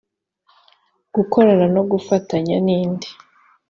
gukorana no gufatanya n indi